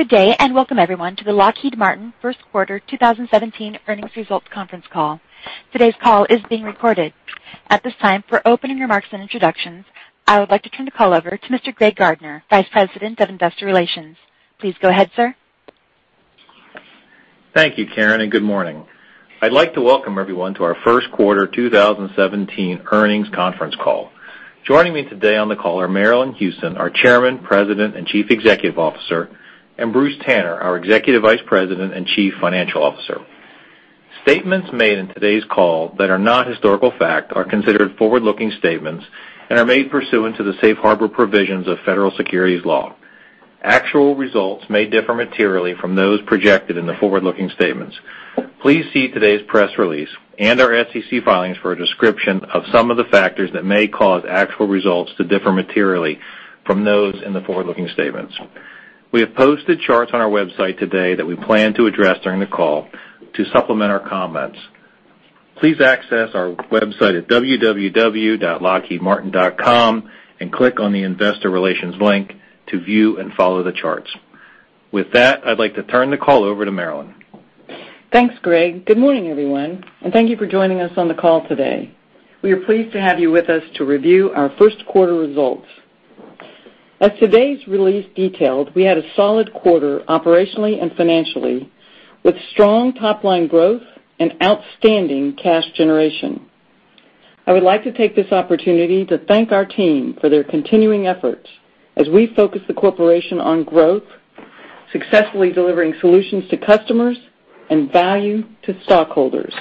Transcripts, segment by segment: Good day, welcome, everyone, to the Lockheed Martin first quarter 2017 earnings results conference call. Today's call is being recorded. At this time, for opening remarks and introductions, I would like to turn the call over to Mr. Greg Gardner, Vice President of Investor Relations. Please go ahead, sir. Thank you, Karen, good morning. I'd like to welcome everyone to our first quarter 2017 earnings conference call. Joining me today on the call are Marillyn Hewson, our Chairman, President, and Chief Executive Officer, and Bruce Tanner, our Executive Vice President and Chief Financial Officer. Statements made in today's call that are not historical fact are considered forward-looking statements and are made pursuant to the safe harbor provisions of federal securities law. Actual results may differ materially from those projected in the forward-looking statements. Please see today's press release and our SEC filings for a description of some of the factors that may cause actual results to differ materially from those in the forward-looking statements. We have posted charts on our website today that we plan to address during the call to supplement our comments. Please access our website at www.lockheedmartin.com click on the Investor Relations link to view and follow the charts. With that, I'd like to turn the call over to Marillyn. Thanks, Greg. Good morning, everyone, thank you for joining us on the call today. We are pleased to have you with us to review our first quarter results. As today's release detailed, we had a solid quarter operationally and financially, with strong top-line growth and outstanding cash generation. I would like to take this opportunity to thank our team for their continuing efforts as we focus the corporation on growth, successfully delivering solutions to customers and value to stockholders.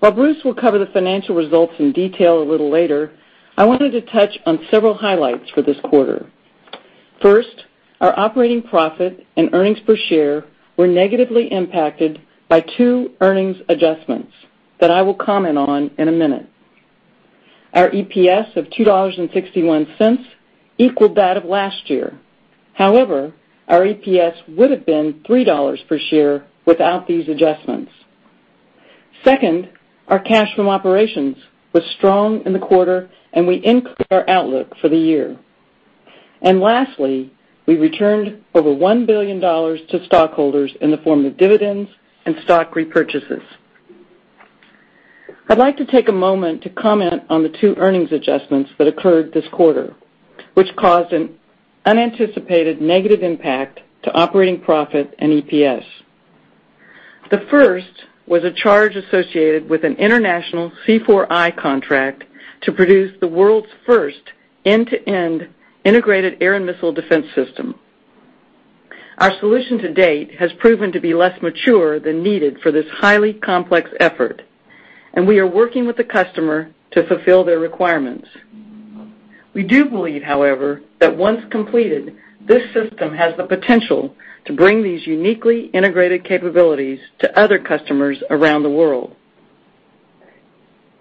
While Bruce will cover the financial results in detail a little later, I wanted to touch on several highlights for this quarter. First, our operating profit and earnings per share were negatively impacted by two earnings adjustments that I will comment on in a minute. Our EPS of $2.61 equaled that of last year. However, our EPS would've been $3 per share without these adjustments. Second, our cash from operations was strong in the quarter, we increased our outlook for the year. Lastly, we returned over $1 billion to stockholders in the form of dividends and stock repurchases. I'd like to take a moment to comment on the two earnings adjustments that occurred this quarter, which caused an unanticipated negative impact to operating profit and EPS. The first was a charge associated with an international C4I contract to produce the world's first end-to-end integrated air and missile defense system. Our solution to date has proven to be less mature than needed for this highly complex effort, and we are working with the customer to fulfill their requirements. We do believe, however, that once completed, this system has the potential to bring these uniquely integrated capabilities to other customers around the world.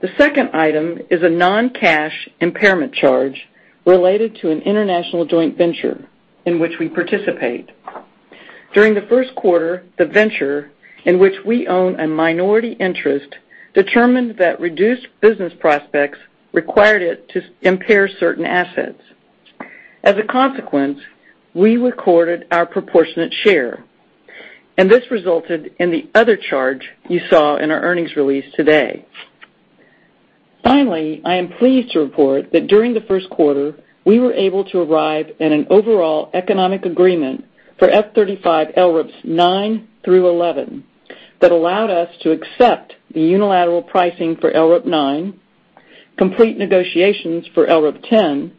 The second item is a non-cash impairment charge related to an international joint venture in which we participate. During the first quarter, the venture, in which we own a minority interest, determined that reduced business prospects required it to impair certain assets. As a consequence, we recorded our proportionate share, and this resulted in the other charge you saw in our earnings release today. Finally, I am pleased to report that during the first quarter, we were able to arrive at an overall economic agreement for F-35 LRIPs 9 through 11 that allowed us to accept the unilateral pricing for LRIP 9, complete negotiations for LRIP 10,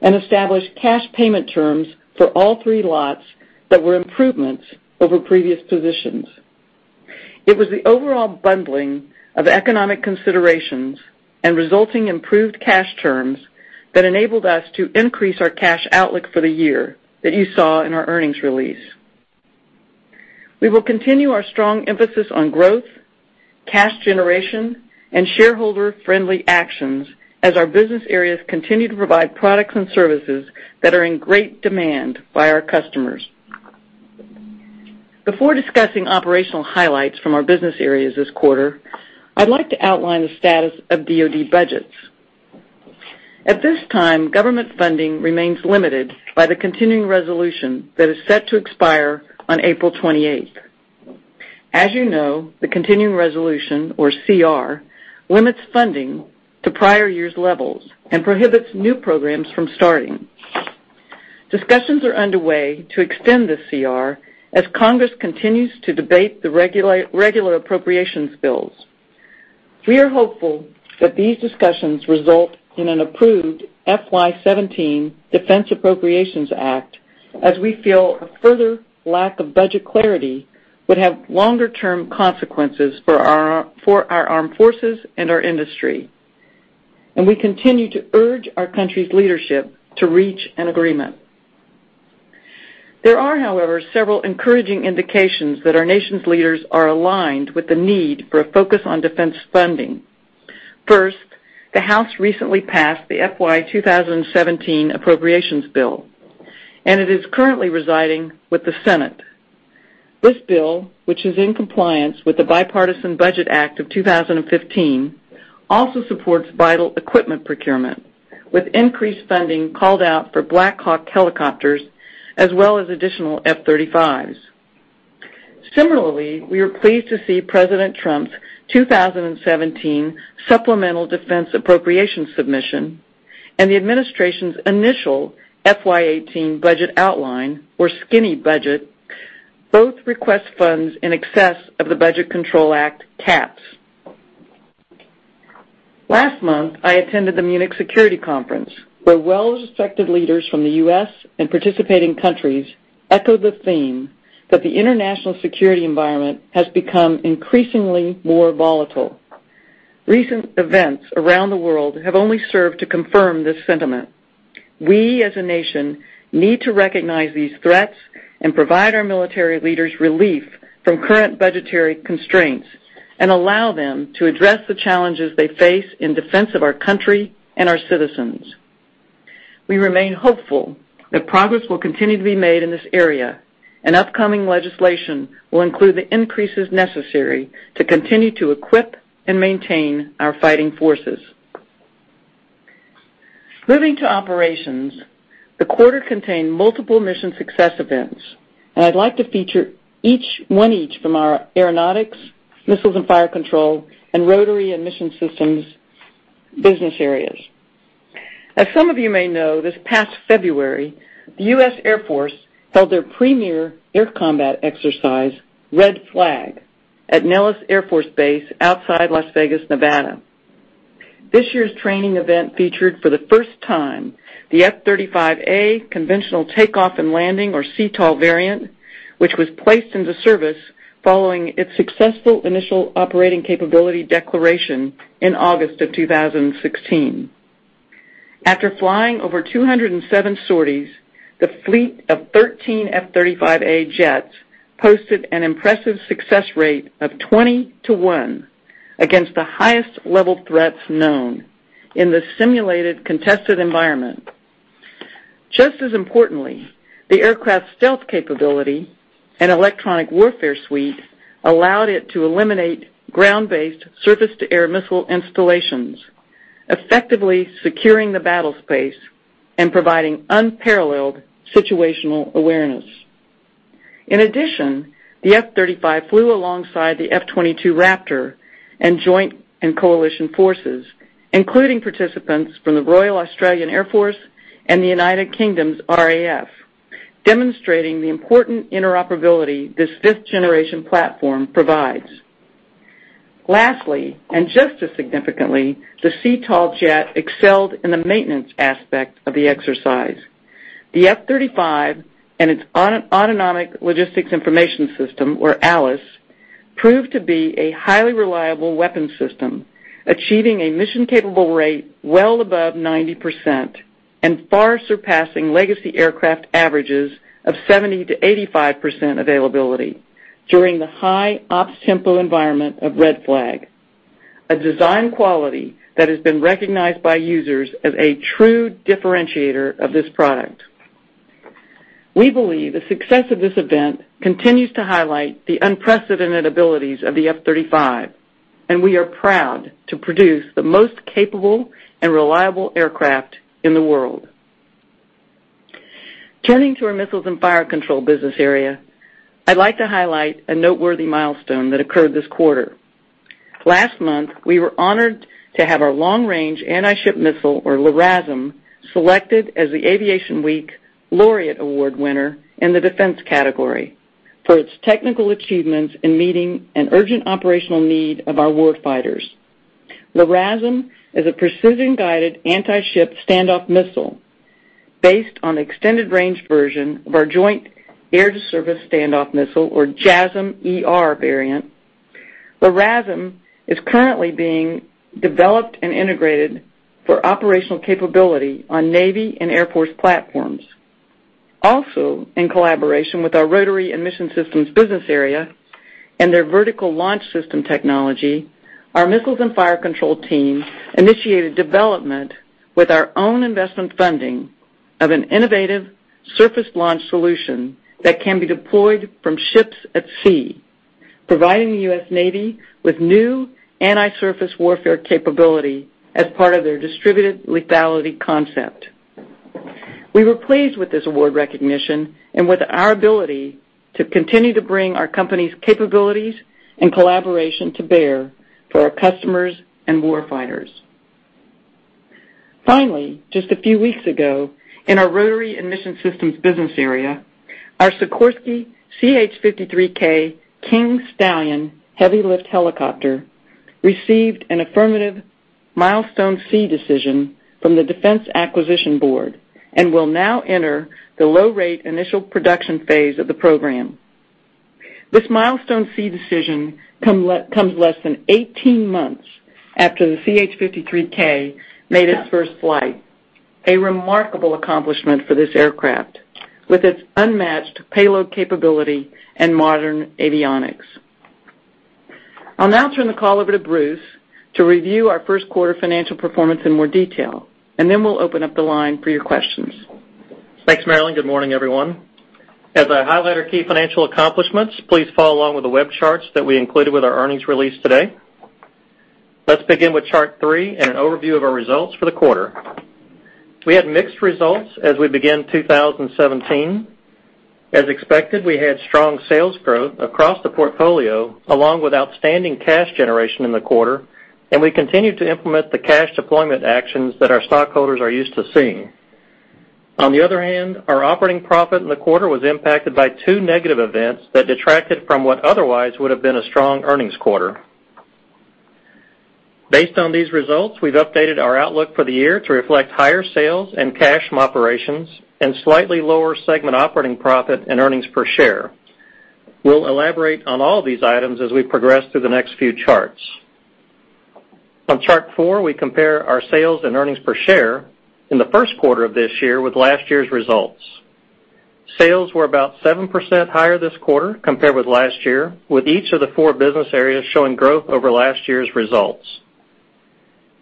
and establish cash payment terms for all three lots that were improvements over previous positions. It was the overall bundling of economic considerations and resulting improved cash terms that enabled us to increase our cash outlook for the year that you saw in our earnings release. We will continue our strong emphasis on growth, cash generation, and shareholder-friendly actions as our business areas continue to provide products and services that are in great demand by our customers. Before discussing operational highlights from our business areas this quarter, I'd like to outline the status of DOD budgets. At this time, government funding remains limited by the continuing resolution that is set to expire on April 28th. As you know, the continuing resolution, or CR, limits funding to prior year's levels and prohibits new programs from starting. Discussions are underway to extend the CR as Congress continues to debate the regular appropriations bills. We are hopeful that these discussions result in an approved FY 2017 Defense Appropriations Act, as we feel a further lack of budget clarity would have longer-term consequences for our armed forces and our industry. We continue to urge our country's leadership to reach an agreement. There are, however, several encouraging indications that our nation's leaders are aligned with the need for a focus on defense funding. First, the House recently passed the FY 2017 Appropriations Bill, and it is currently residing with the Senate. This bill, which is in compliance with the Bipartisan Budget Act of 2015, also supports vital equipment procurement, with increased funding called out for Black Hawk helicopters as well as additional F-35s. Similarly, we are pleased to see President Trump's 2017 supplemental defense appropriation submission and the administration's initial FY 2018 budget outline, or skinny budget, both request funds in excess of the Budget Control Act caps. Last month, I attended the Munich Security Conference, where well-respected leaders from the U.S. and participating countries echoed the theme that the international security environment has become increasingly more volatile. Recent events around the world have only served to confirm this sentiment. We, as a nation, need to recognize these threats and provide our military leaders relief from current budgetary constraints and allow them to address the challenges they face in defense of our country and our citizens. We remain hopeful that progress will continue to be made in this area, and upcoming legislation will include the increases necessary to continue to equip and maintain our fighting forces. Moving to operations, the quarter contained multiple mission success events, and I'd like to feature one each from our Aeronautics, Missiles and Fire Control, and Rotary and Mission Systems business areas. As some of you may know, this past February, the U.S. Air Force held their premier air combat exercise, Red Flag, at Nellis Air Force Base outside Las Vegas, Nevada. This year's training event featured for the first time the F-35A Conventional Takeoff and Landing, or CTOL variant, which was placed into service following its successful initial operating capability declaration in August of 2016. After flying over 207 sorties, the fleet of 13 F-35A jets posted an impressive success rate of 20 to one against the highest level threats known in the simulated contested environment. Just as importantly, the aircraft's stealth capability and electronic warfare suite allowed it to eliminate ground-based surface-to-air missile installations, effectively securing the battle space and providing unparalleled situational awareness. In addition, the F-35 flew alongside the F-22 Raptor and joint and coalition forces, including participants from the Royal Australian Air Force and the United Kingdom's RAF, demonstrating the important interoperability this fifth-generation platform provides. Lastly, and just as significantly, the CTOL jet excelled in the maintenance aspect of the exercise. The F-35 and its Autonomic Logistics Information System, or ALIS, proved to be a highly reliable weapon system, achieving a mission capable rate well above 90% and far surpassing legacy aircraft averages of 70%-85% availability during the high ops tempo environment of Red Flag, a design quality that has been recognized by users as a true differentiator of this product. We believe the success of this event continues to highlight the unprecedented abilities of the F-35, and we are proud to produce the most capable and reliable aircraft in the world. Turning to our Missiles and Fire Control business area, I'd like to highlight a noteworthy milestone that occurred this quarter. Last month, we were honored to have our Long Range Anti-Ship Missile, or LRASM, selected as the Aviation Week Laureate Award winner in the defense category for its technical achievements in meeting an urgent operational need of our warfighters. LRASM is a precision-guided anti-ship standoff missile based on the extended range version of our Joint Air-to-Surface Standoff Missile, or JASSM-ER variant. LRASM is currently being developed and integrated for operational capability on Navy and Air Force platforms. Also, in collaboration with our Rotary and Mission Systems business area and their vertical launch system technology, our Missiles and Fire Control team initiated development with our own investment funding of an innovative surface launch solution that can be deployed from ships at sea, providing the U.S. Navy with new anti-surface warfare capability as part of their distributed lethality concept. We were pleased with this award recognition and with our ability to continue to bring our company's capabilities and collaboration to bear for our customers and warfighters. Finally, just a few weeks ago, in our Rotary and Mission Systems business area, our Sikorsky CH-53K King Stallion heavy lift helicopter received an affirmative Milestone C decision from the Defense Acquisition Board and will now enter the low rate initial production phase of the program. This Milestone C decision comes less than 18 months after the CH-53K made its first flight, a remarkable accomplishment for this aircraft with its unmatched payload capability and modern avionics. I'll now turn the call over to Bruce to review our first quarter financial performance in more detail, then we'll open up the line for your questions. Thanks, Marillyn. Good morning, everyone. As I highlight our key financial accomplishments, please follow along with the web charts that we included with our earnings release today. Let's begin with Chart three and an overview of our results for the quarter. We had mixed results as we begin 2017. As expected, we had strong sales growth across the portfolio, along with outstanding cash generation in the quarter, we continued to implement the cash deployment actions that our stockholders are used to seeing. On the other hand, our operating profit in the quarter was impacted by two negative events that detracted from what otherwise would have been a strong earnings quarter. Based on these results, we've updated our outlook for the year to reflect higher sales and cash from operations and slightly lower segment operating profit and earnings per share. We'll elaborate on all these items as we progress through the next few charts. On Chart four, we compare our sales and earnings per share in the first quarter of this year with last year's results. Sales were about 7% higher this quarter compared with last year, with each of the four business areas showing growth over last year's results.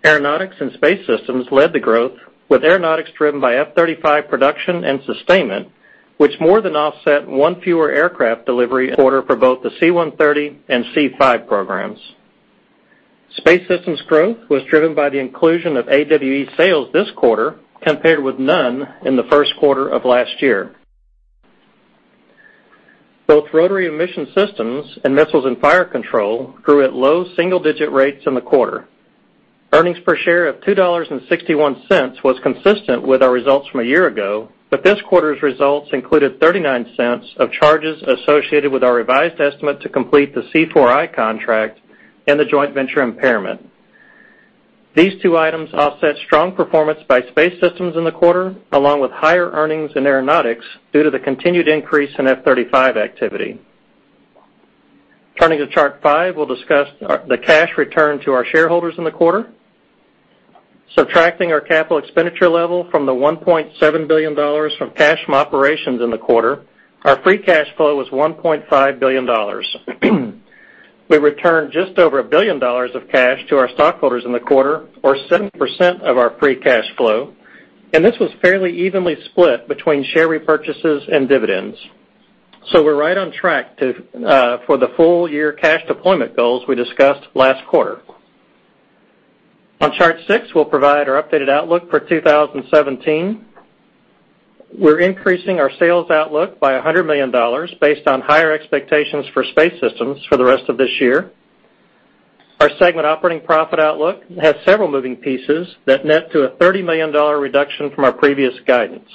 Aeronautics and Space Systems led the growth, with Aeronautics driven by F-35 production and sustainment, which more than offset one fewer aircraft delivery order for both the C-130 and C-5 programs. Space Systems growth was driven by the inclusion of AWE sales this quarter, compared with none in the first quarter of last year. Both Rotary and Mission Systems and Missiles and Fire Control grew at low single-digit rates in the quarter. Earnings per share of $2.61 was consistent with our results from a year ago. This quarter's results included $0.39 of charges associated with our revised estimate to complete the C4I contract and the joint venture impairment. These two items offset strong performance by Space Systems in the quarter, along with higher earnings in Aeronautics due to the continued increase in F-35 activity. Turning to Chart 5, we will discuss the cash returned to our shareholders in the quarter. Subtracting our capital expenditure level from the $1.7 billion from cash from operations in the quarter, our free cash flow was $1.5 billion. We returned just over $1 billion of cash to our stockholders in the quarter, or 70% of our free cash flow, this was fairly evenly split between share repurchases and dividends. We are right on track for the full-year cash deployment goals we discussed last quarter. On Chart 6, we will provide our updated outlook for 2017. We are increasing our sales outlook by $100 million based on higher expectations for Space Systems for the rest of this year. Our segment operating profit outlook has several moving pieces that net to a $30 million reduction from our previous guidance.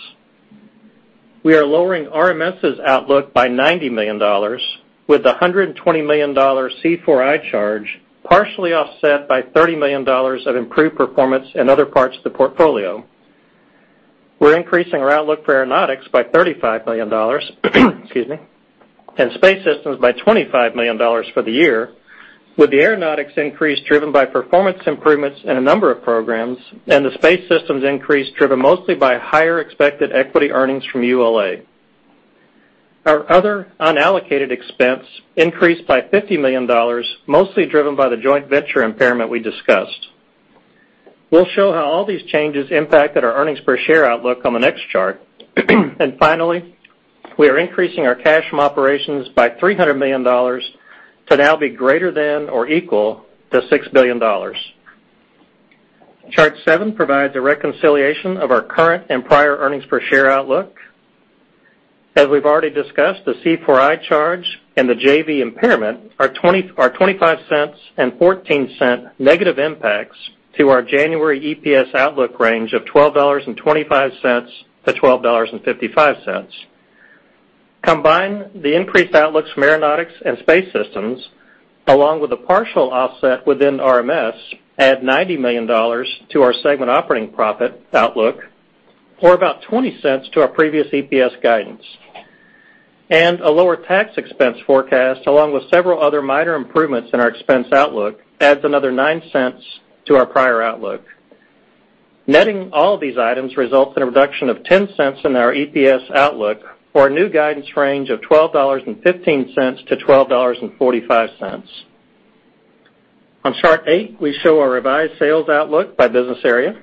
We are lowering RMS's outlook by $90 million, with the $120 million C4I charge partially offset by $30 million of improved performance in other parts of the portfolio. We are increasing our outlook for Aeronautics by $35 million and Space Systems by $25 million for the year, with the Aeronautics increase driven by performance improvements in a number of programs and the Space Systems increase driven mostly by higher expected equity earnings from ULA. Our other unallocated expense increased by $50 million, mostly driven by the joint venture impairment we discussed. We will show how all these changes impacted our earnings per share outlook on the next chart. Finally, we are increasing our cash from operations by $300 million to now be greater than or equal to $6 billion. Chart 7 provides a reconciliation of our current and prior earnings per share outlook. As we have already discussed, the C4I charge and the JV impairment are $0.25 and $0.14 negative impacts to our January EPS outlook range of $12.25-$12.55. Combine the increased outlooks for Aeronautics and Space Systems, along with the partial offset within RMS, add $90 million to our segment operating profit outlook, or about $0.20 to our previous EPS guidance. A lower tax expense forecast, along with several other minor improvements in our expense outlook, adds another $0.09 to our prior outlook. Netting all these items results in a reduction of $0.10 in our EPS outlook or a new guidance range of $12.15-$12.45. On Chart 8, we show our revised sales outlook by business area.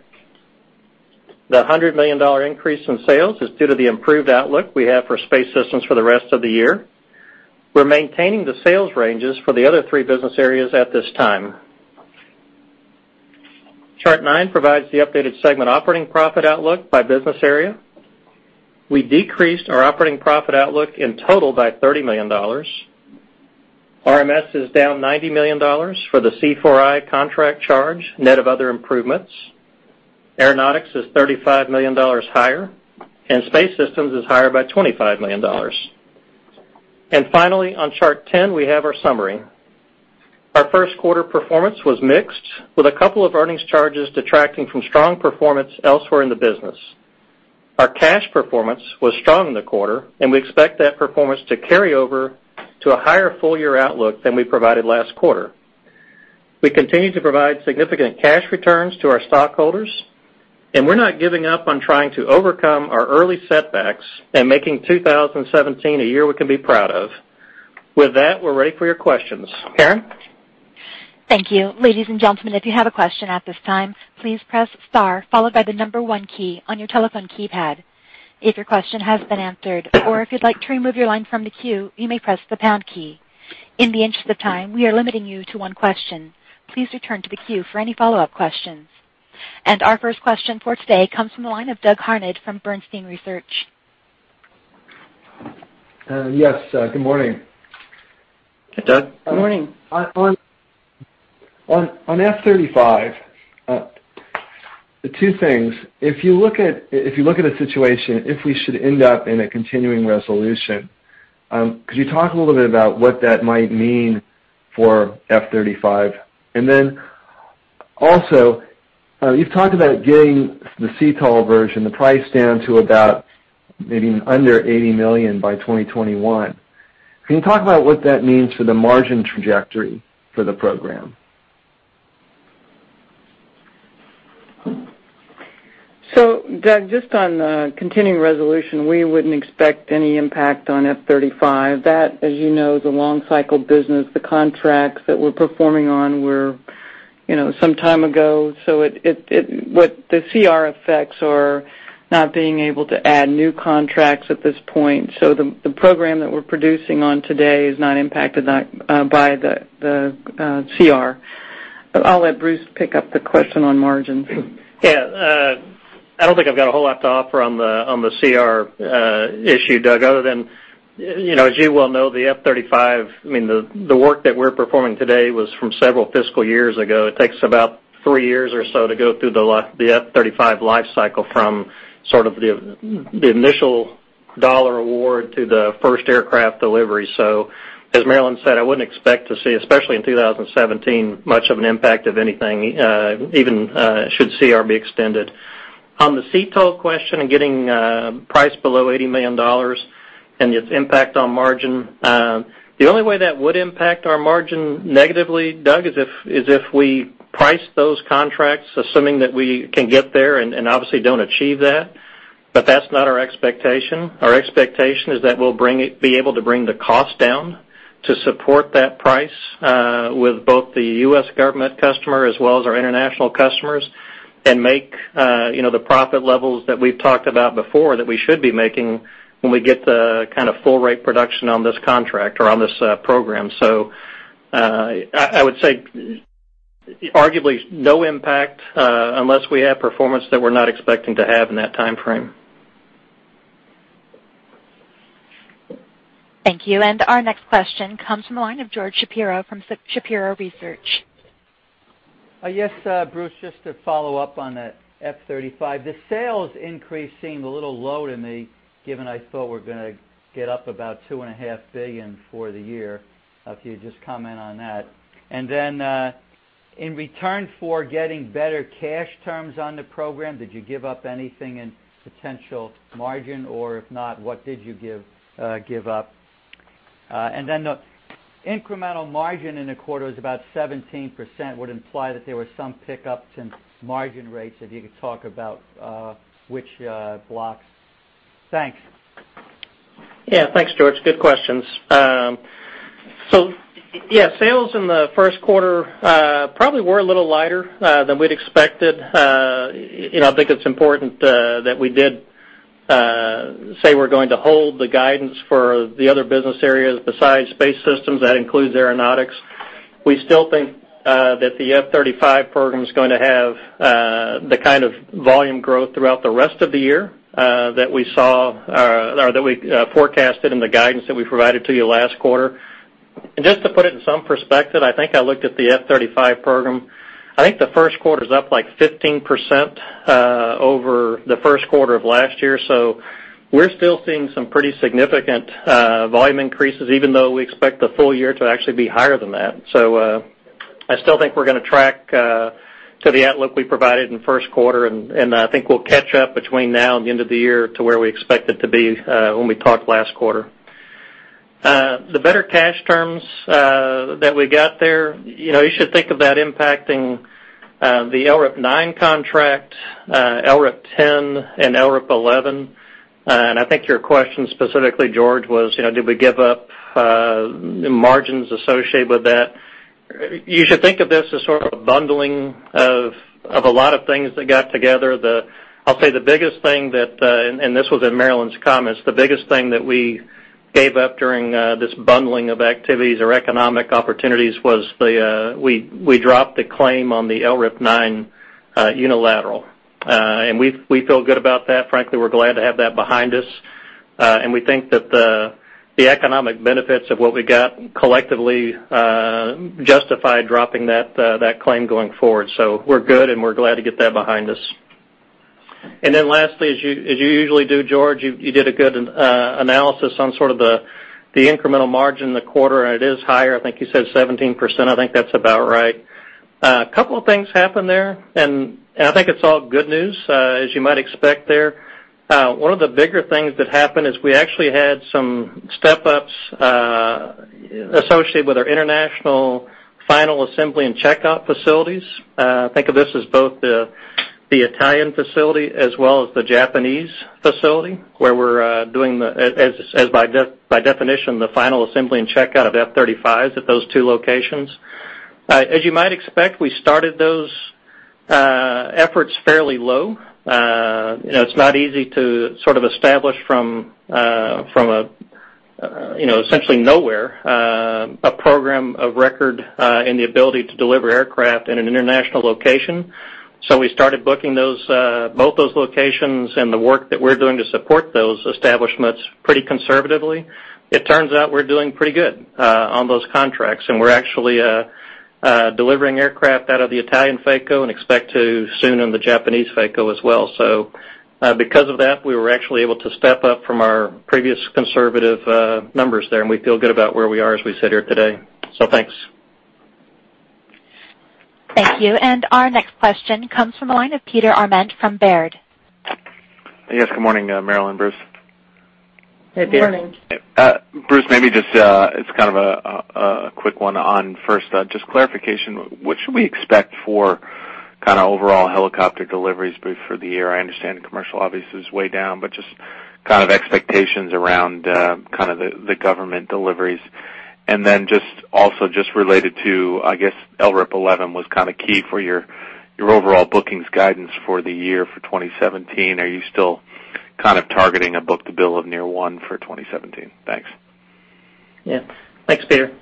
The $100 million increase in sales is due to the improved outlook we have for Space Systems for the rest of the year. We are maintaining the sales ranges for the other three business areas at this time. Chart 9 provides the updated segment operating profit outlook by business area. We decreased our operating profit outlook in total by $30 million. RMS is down $90 million for the C4I contract charge, net of other improvements. Aeronautics is $35 million higher, Space Systems is higher by $25 million. Finally, on Chart 10, we have our summary. Our first quarter performance was mixed, with a couple of earnings charges detracting from strong performance elsewhere in the business. Our cash performance was strong in the quarter, and we expect that performance to carry over to a higher full-year outlook than we provided last quarter. We continue to provide significant cash returns to our stockholders, we're not giving up on trying to overcome our early setbacks and making 2017 a year we can be proud of. With that, we're ready for your questions. Karen? Thank you. Ladies and gentlemen, if you have a question at this time, please press star followed by the number one key on your telephone keypad. If your question has been answered or if you'd like to remove your line from the queue, you may press the pound key. In the interest of time, we are limiting you to one question. Please return to the queue for any follow-up questions. Our first question for today comes from the line of Douglas Harned from Bernstein Research. Yes. Good morning. Hey, Doug. Good morning. On F-35, two things. If you look at a situation, if we should end up in a continuing resolution, could you talk a little bit about what that might mean for F-35? You've talked about getting the CTOL version, the price down to about maybe under $80 million by 2021. Can you talk about what that means for the margin trajectory for the program? Doug, just on continuing resolution, we wouldn't expect any impact on F-35. That, as you know, is a long cycle business. The contracts that we're performing on were some time ago. What the CR effects are not being able to add new contracts at this point. The program that we're producing on today is not impacted by the CR. I'll let Bruce pick up the question on margins. Yeah. I don't think I've got a whole lot to offer on the CR issue, Doug, other than, as you well know, the F-35, the work that we're performing today was from several fiscal years ago. It takes about three years or so to go through the F-35 life cycle from sort of the initial dollar award to the first aircraft delivery. As Marillyn said, I wouldn't expect to see, especially in 2017, much of an impact of anything, even should CR be extended. On the CTOL question and getting price below $80 million and its impact on margin, the only way that would impact our margin negatively, Doug, is if we price those contracts, assuming that we can get there and obviously don't achieve that. That's not our expectation. Our expectation is that we'll be able to bring the cost down to support that price with both the U.S. government customer as well as our international customers and make the profit levels that we've talked about before, that we should be making when we get the kind of full rate production on this contract or on this program. I would say arguably no impact unless we have performance that we're not expecting to have in that time frame. Thank you. Our next question comes from the line of George Shapiro from Shapiro Research. Yes, Bruce, just to follow up on the F-35, the sales increase seemed a little low to me, given I thought we're going to get up about $2.5 billion for the year. If you would just comment on that. In return for getting better cash terms on the program, did you give up anything in potential margin, or if not, what did you give up? The incremental margin in the quarter was about 17%, would imply that there was some pickup in margin rates, if you could talk about which blocks. Thanks. Yeah. Thanks, George. Good questions. Yeah, sales in the first quarter probably were a little lighter than we'd expected. I think it's important that we did say we're going to hold the guidance for the other business areas besides Space Systems, that includes Aeronautics. We still think that the F-35 program is going to have the kind of volume growth throughout the rest of the year that we forecasted in the guidance that we provided to you last quarter. Just to put it in some perspective, I think I looked at the F-35 program. I think the first quarter's up, like, 15% over the first quarter of last year. We're still seeing some pretty significant volume increases, even though we expect the full year to actually be higher than that. I still think we're going to track to the outlook we provided in the first quarter, and I think we'll catch up between now and the end of the year to where we expect it to be when we talked last quarter. The better cash terms that we got there, you should think of that impacting the LRIP-9 contract, LRIP-10, and LRIP-11. I think your question specifically, George, was did we give up margins associated with that? You should think of this as sort of a bundling of a lot of things that got together. I'll say the biggest thing that, and this was in Marillyn's comments, the biggest thing that we gave up during this bundling of activities or economic opportunities was we dropped the claim on the LRIP-9 unilateral. We feel good about that. Frankly, we're glad to have that behind us. We think that the economic benefits of what we got collectively justify dropping that claim going forward. We're good, and we're glad to get that behind us. Lastly, as you usually do, George, you did a good analysis on sort of the incremental margin in the quarter, and it is higher. I think you said 17%. I think that's about right. A couple of things happened there, and I think it's all good news, as you might expect there. One of the bigger things that happened is we actually had some step-ups associated with our international final assembly and checkout facilities. Think of this as both the Italian facility as well as the Japanese facility, where we're doing, by definition, the final assembly and checkout of F-35s at those two locations. As you might expect, we started those efforts fairly low. It's not easy to establish from essentially nowhere, a program of record and the ability to deliver aircraft in an international location. We started booking both those locations and the work that we're doing to support those establishments pretty conservatively. It turns out we're doing pretty good on those contracts, and we're actually delivering aircraft out of the Italian FACO and expect to soon in the Japanese FACO as well. Because of that, we were actually able to step up from our previous conservative numbers there, and we feel good about where we are as we sit here today. Thanks. Thank you. Our next question comes from the line of Peter Arment from Baird. Yes. Good morning, Marillyn, Bruce. Good morning. Bruce, maybe just, it's kind of a quick one on, first, just clarification, what should we expect for kind of overall helicopter deliveries, Bruce, for the year? I understand commercial obviously is way down, but just kind of expectations around the government deliveries. Then just also just related to, I guess, LRIP 11 was kind of key for your overall bookings guidance for the year for 2017. Are you still kind of targeting a book-to-bill of near one for 2017? Thanks. Yeah. Thanks, Peter.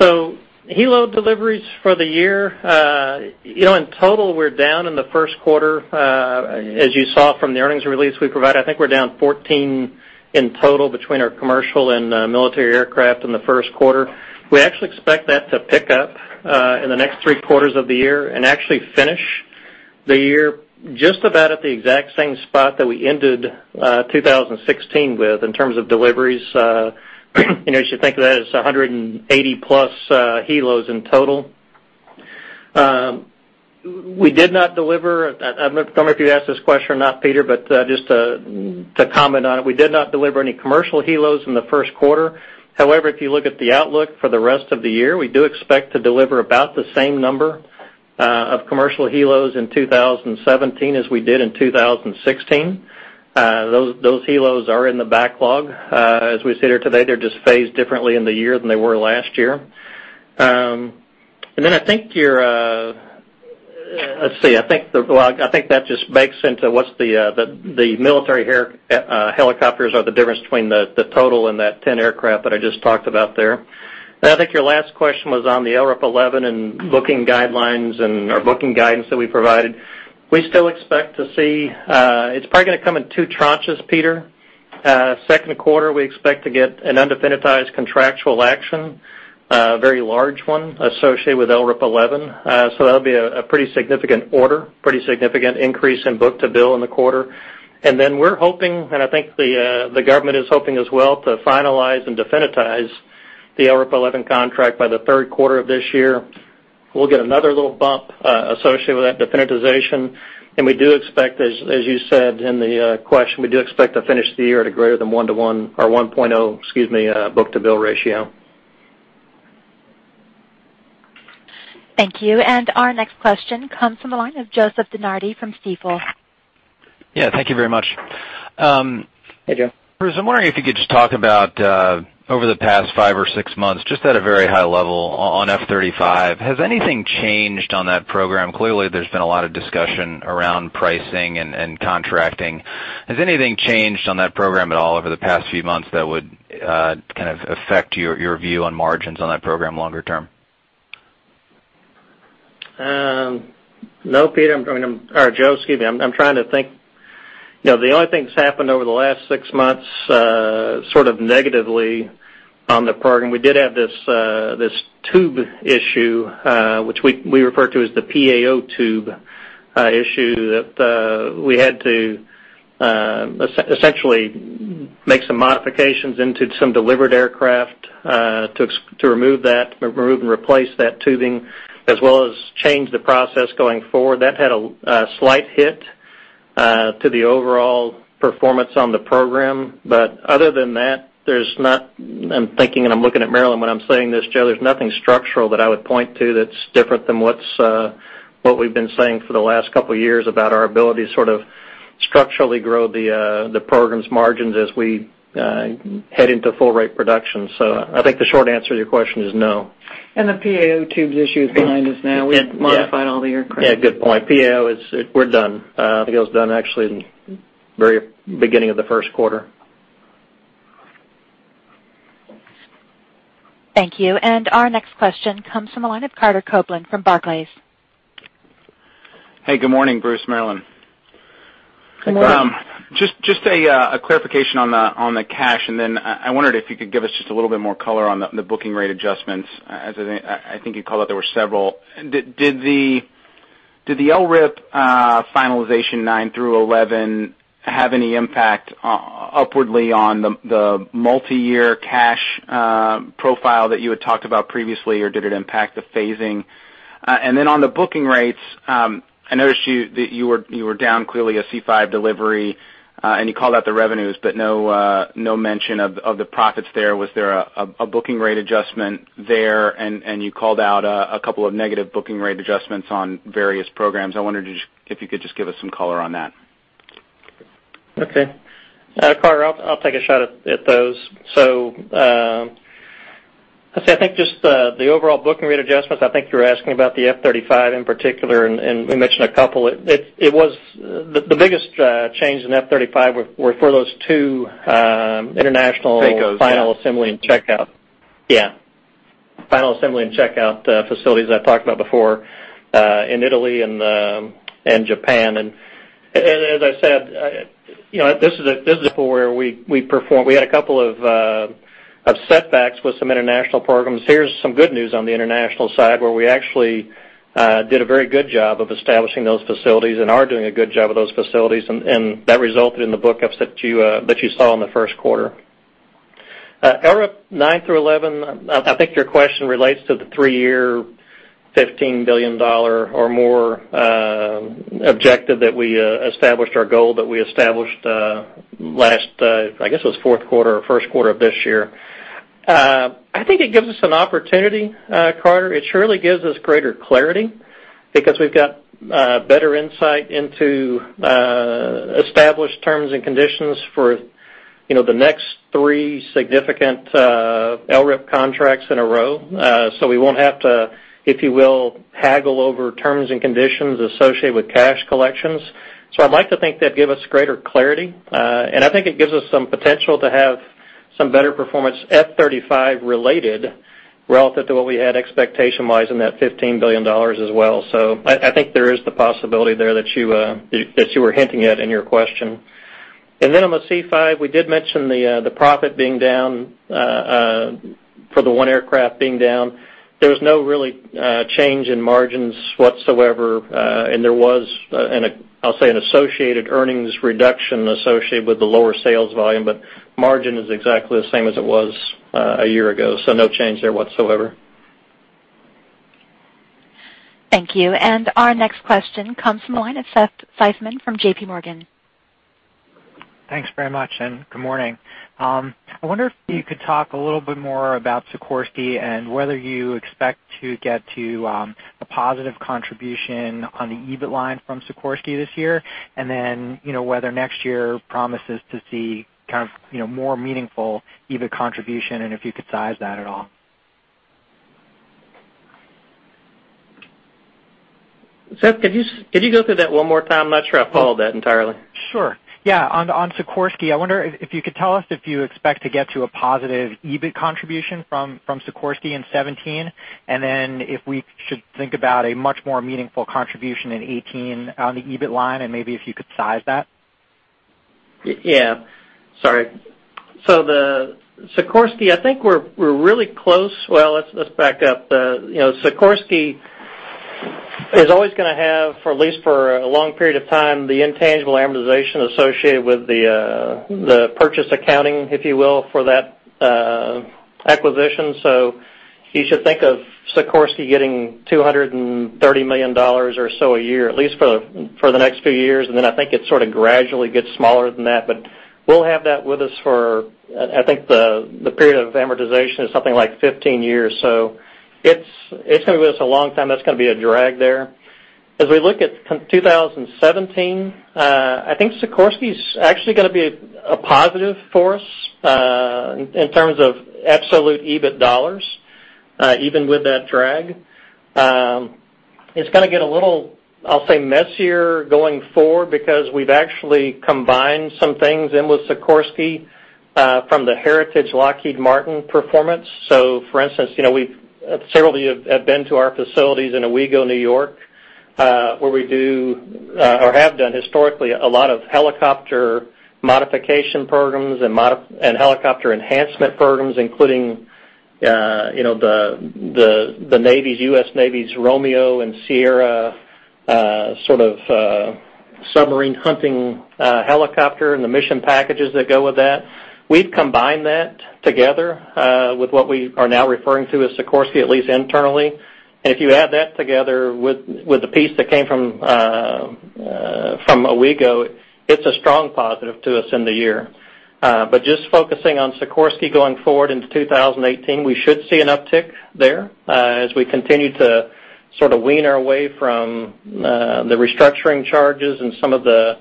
Helo deliveries for the year. In total, we're down in the first quarter. As you saw from the earnings release we provided, I think we're down 14 in total between our commercial and military aircraft in the first quarter. We actually expect that to pick up in the next three quarters of the year and actually finish the year just about at the exact same spot that we ended 2016 with in terms of deliveries. You should think of that as 180 plus helos in total. We did not deliver, I don't know if you'd asked this question or not, Peter, but just to comment on it, we did not deliver any commercial helos in the first quarter. If you look at the outlook for the rest of the year, we do expect to deliver about the same number of commercial helos in 2017 as we did in 2016. Those helos are in the backlog. As we sit here today, they're just phased differently in the year than they were last year. I think that just bakes into what's the military helicopters are the difference between the total and that 10 aircraft that I just talked about there. I think your last question was on the LRIP 11 and booking guidelines or booking guidance that we provided. We still expect to see, it's probably going to come in two tranches, Peter. Second quarter, we expect to get an undefinitized contractual action, a very large one associated with LRIP 11. That'll be a pretty significant order, pretty significant increase in book-to-bill in the quarter. We're hoping, and I think the government is hoping as well, to finalize and definitize the LRIP 11 contract by the third quarter of this year. We'll get another little bump associated with that definitization, and we do expect, as you said in the question, we do expect to finish the year at a greater than 1 to 1, or 1.0, excuse me, book-to-bill ratio. Thank you. Our next question comes from the line of Joseph DeNardi from Stifel. Yeah, thank you very much. Hey, Joe. Bruce, I'm wondering if you could just talk about, over the past five or six months, just at a very high level, on F-35. Has anything changed on that program? Clearly, there's been a lot of discussion around pricing and contracting. Has anything changed on that program at all over the past few months that would kind of affect your view on margins on that program longer term? No, Joe. I'm trying to think. The only thing that's happened over the last six months sort of negatively on the program, we did have this tube issue, which we refer to as the PAO tube issue, that we had to essentially make some modifications into some delivered aircraft, to remove and replace that tubing, as well as change the process going forward. Other than that, there's not, I'm thinking, and I'm looking at Marillyn when I'm saying this, Joe, there's nothing structural that I would point to that's different than what we've been saying for the last couple of years about our ability to sort of structurally grow the program's margins as we head into full rate production. I think the short answer to your question is no. The PAO tubes issue is behind us now. We've modified all the aircraft. Yeah, good point. PAO, we're done. I think it was done actually in the very beginning of the first quarter. Our next question comes from the line of Carter Copeland from Barclays. Hey, good morning, Bruce, Marillyn. Good morning. Just a clarification on the cash. I wondered if you could give us just a little bit more color on the booking rate adjustments. I think you called out there were several. Did the LRIP finalization 9 through 11 have any impact upwardly on the multi-year cash profile that you had talked about previously? Or did it impact the phasing? On the booking rates, I noticed that you were down clearly a C-5 delivery, and you called out the revenues, but no mention of the profits there. Was there a booking rate adjustment there? You called out a couple of negative booking rate adjustments on various programs. I wondered if you could just give us some color on that. Okay. Carter, I'll take a shot at those. I'd say, I think just the overall booking rate adjustments. I think you're asking about the F-35 in particular, and we mentioned a couple. The biggest change in F-35 were for those two international- FACOs, yeah. Final assembly and checkout. Yeah. Final assembly and checkout facilities I've talked about before, in Italy and Japan. As I said, this is the point where we perform. We had a couple of setbacks with some international programs. Here's some good news on the international side, where we actually did a very good job of establishing those facilities and are doing a good job of those facilities, and that resulted in the book ups that you saw in the first quarter. LRIP 9 through 11, I think your question relates to the three-year, $15 billion or more objective that we established our goal, that we established last, I guess it was fourth quarter or first quarter of this year. I think it gives us an opportunity, Carter. It surely gives us greater clarity because we've got better insight into established terms and conditions for the next three significant LRIP contracts in a row. We won't have to, if you will, haggle over terms and conditions associated with cash collections. I'd like to think that give us greater clarity. I think it gives us some potential to have some better performance F-35 related relative to what we had expectation wise in that $15 billion as well. I think there is the possibility there that you were hinting at in your question. Then on the C-5, we did mention the profit being down, for the one aircraft being down. There was no real change in margins whatsoever. There was, I'll say, an associated earnings reduction associated with the lower sales volume, margin is exactly the same as it was a year ago, no change there whatsoever. Thank you. Our next question comes from the line of Seth Seifman from J.P. Morgan. Thanks very much, good morning. I wonder if you could talk a little bit more about Sikorsky and whether you expect to get to, a positive contribution on the EBIT line from Sikorsky this year. Then, whether next year promises to see kind of, more meaningful EBIT contribution, and if you could size that at all. Seth, could you go through that one more time? I'm not sure I followed that entirely. Sure. Yeah. On Sikorsky, I wonder if you could tell us if you expect to get to a positive EBIT contribution from Sikorsky in 2017, and then if we should think about a much more meaningful contribution in 2018 on the EBIT line and maybe if you could size that. Yeah. Sorry. The Sikorsky, I think we're really close. Well, let's back up. Sikorsky is always going to have, for at least for a long period of time, the intangible amortization associated with the purchase accounting, if you will, for that acquisition. You should think of Sikorsky getting $230 million or so a year, at least for the next few years. I think it sort of gradually gets smaller than that. We'll have that with us for, I think, the period of amortization is something like 15 years. It's going to be with us a long time. That's going to be a drag there. As we look at 2017, I think Sikorsky's actually going to be a positive force, in terms of absolute EBIT dollars, even with that drag. It's going to get a little, I'll say, messier going forward because we've actually combined some things in with Sikorsky, from the Heritage Lockheed Martin performance. For instance, several of you have been to our facilities in Owego, New York, where we do, or have done historically, a lot of helicopter modification programs and helicopter enhancement programs, including the U.S. Navy's Romeo and Sierra sort of submarine hunting helicopter and the mission packages that go with that. We've combined that together, with what we are now referring to as Sikorsky, at least internally. If you add that together with the piece that came from Owego, it's a strong positive to us in the year. Just focusing on Sikorsky going forward into 2018, we should see an uptick there, as we continue to sort of wean our way from the restructuring charges and some of the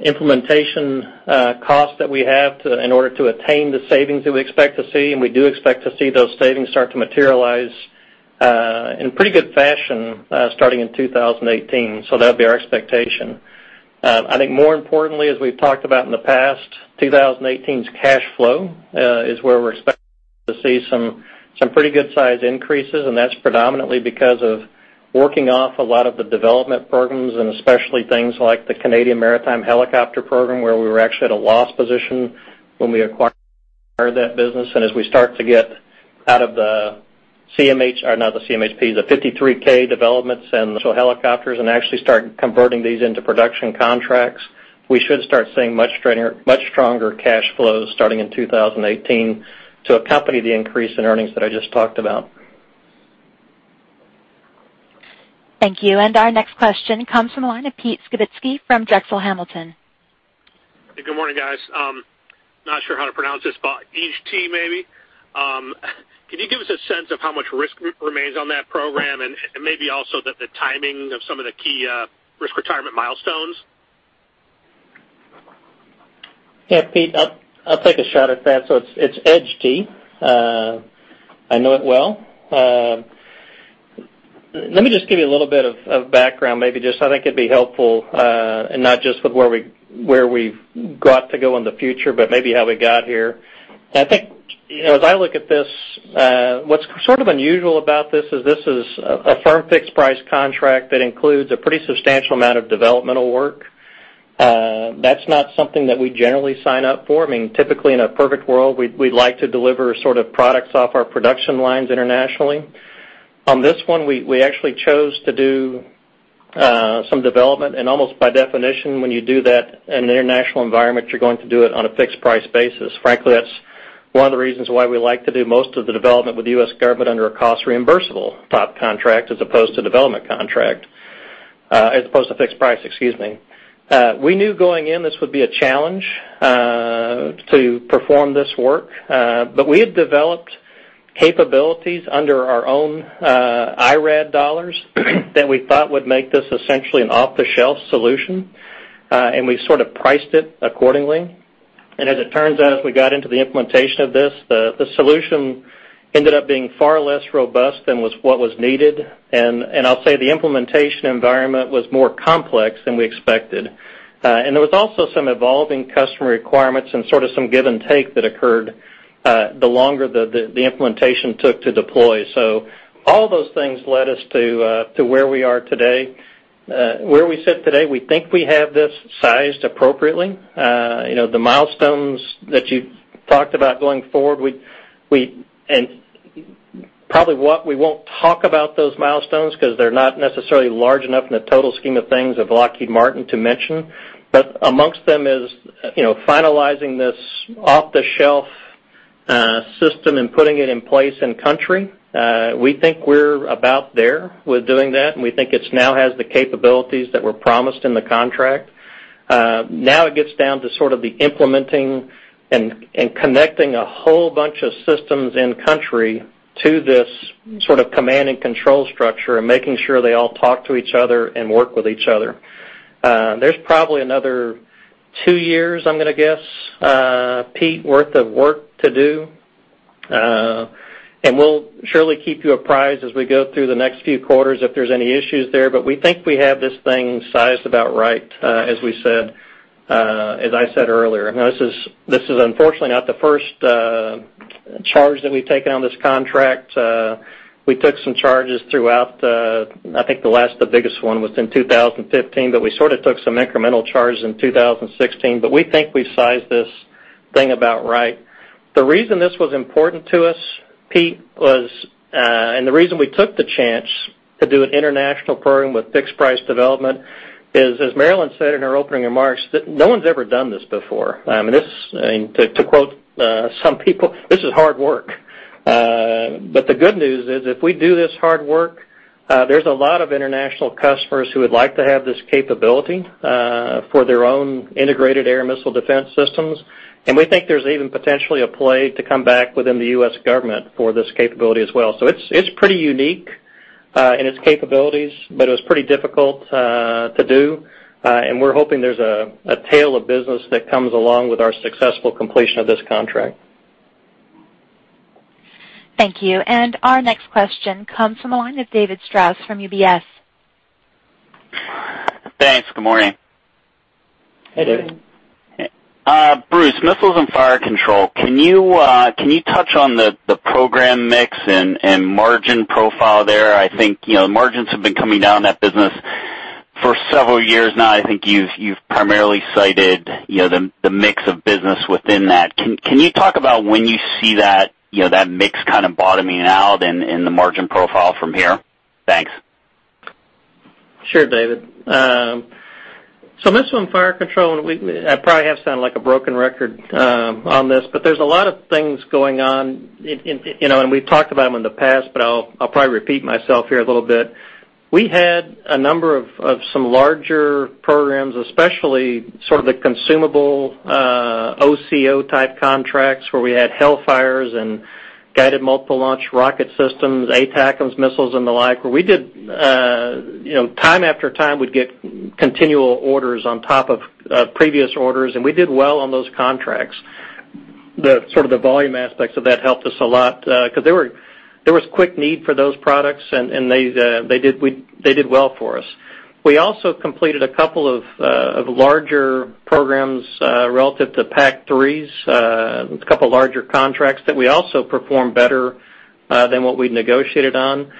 implementation costs that we have in order to attain the savings that we expect to see. We do expect to see those savings start to materialize in pretty good fashion, starting in 2018. That'll be our expectation. I think more importantly, as we've talked about in the past, 2018's cash flow is where we're expecting to see some pretty good size increases, and that's predominantly because of working off a lot of the development programs, and especially things like the Canadian Maritime Helicopter Program, where we were actually at a loss position when we acquired that business. As we start to get out of the CMH, or not the CMHP, the 53K developments and helicopters and actually start converting these into production contracts, we should start seeing much stronger cash flows starting in 2018 to accompany the increase in earnings that I just talked about. Thank you. Our next question comes from the line of Pete Skibitski from Drexel Hamilton. Good morning, guys. Not sure how to pronounce this, EDGE-T, maybe? Can you give us a sense of how much risk remains on that program and maybe also the timing of some of the key risk retirement milestones? Pete, I'll take a shot at that. It's EDGE-T. I know it well. Let me just give you a little bit of background, maybe I think it'd be helpful, not just with where we've got to go in the future, but maybe how we got here. As I look at this, what's sort of unusual about this is this is a firm fixed price contract that includes a pretty substantial amount of developmental work. That's not something that we generally sign up for. Typically, in a perfect world, we'd like to deliver sort of products off our production lines internationally. On this one, we actually chose to do some development. Almost by definition, when you do that in an international environment, you're going to do it on a fixed price basis. Frankly, that's one of the reasons why we like to do most of the development with the U.S. government under a cost reimbursable type contract as opposed to development contract, as opposed to fixed price, excuse me. We knew going in, this would be a challenge to perform this work. We had developed capabilities under our own IRAD dollars that we thought would make this essentially an off-the-shelf solution. We sort of priced it accordingly. As it turns out, as we got into the implementation of this, the solution ended up being far less robust than what was needed. I'll say the implementation environment was more complex than we expected. There was also some evolving customer requirements and sort of some give and take that occurred, the longer the implementation took to deploy. All those things led us to where we are today. Where we sit today, we think we have this sized appropriately. The milestones that you talked about going forward, probably we won't talk about those milestones because they're not necessarily large enough in the total scheme of things of Lockheed Martin to mention. Amongst them is finalizing this off-the-shelf system and putting it in place in country. We think we're about there with doing that, and we think it now has the capabilities that were promised in the contract. Now it gets down to sort of the implementing and connecting a whole bunch of systems in country to this sort of command and control structure and making sure they all talk to each other and work with each other. There's probably another 2 years, I'm going to guess, Pete, worth of work to do. We'll surely keep you apprised as we go through the next few quarters if there's any issues there. We think we have this thing sized about right, as I said earlier. This is unfortunately not the first charge that we've taken on this contract. We took some charges throughout the, I think the last, the biggest one was in 2015, but we sort of took some incremental charges in 2016. We think we've sized this thing about right. The reason this was important to us, Pete, and the reason we took the chance to do an international program with fixed price development is, as Marillyn said in her opening remarks, that no one's ever done this before. To quote some people, this is hard work. The good news is, if we do this hard work, there's a lot of international customers who would like to have this capability for their own integrated air missile defense systems. We think there's even potentially a play to come back within the U.S. government for this capability as well. It's pretty unique in its capabilities, but it was pretty difficult to do. We're hoping there's a tail of business that comes along with our successful completion of this contract. Thank you. Our next question comes from the line of David Strauss from UBS. Thanks. Good morning. Hey, David. Bruce, Missiles and Fire Control. Can you touch on the program mix and margin profile there? I think the margins have been coming down in that business for several years now. I think you've primarily cited the mix of business within that. Can you talk about when you see that mix kind of bottoming out in the margin profile from here? Thanks. Sure, David. Missiles and Fire Control, I probably have sounded like a broken record on this, there's a lot of things going on. We've talked about them in the past, I'll probably repeat myself here a little bit. We had a number of some larger programs, especially sort of the consumable OCO type contracts where we had Hellfires and Guided Multiple Launch Rocket System, ATACMS missiles and the like, where time after time, we'd get continual orders on top of previous orders, we did well on those contracts. The sort of the volume aspects of that helped us a lot because there was quick need for those products, they did well for us. We also completed a couple of larger programs relative to PAC-3s, a couple larger contracts that we also performed better than what we'd negotiated on.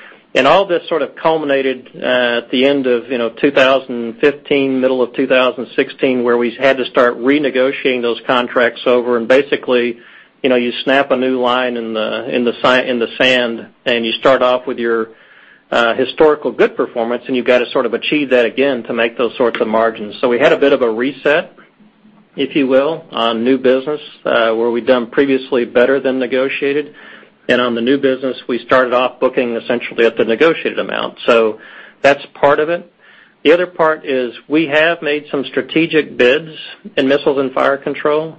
All this sort of culminated at the end of 2015, middle of 2016, where we had to start renegotiating those contracts over. Basically, you snap a new line in the sand you start off with your Historical good performance, you've got to sort of achieve that again to make those sorts of margins. We had a bit of a reset, if you will, on new business where we'd done previously better than negotiated. On the new business, we started off booking essentially at the negotiated amount. That's part of it. The other part is we have made some strategic bids in Missiles and Fire Control.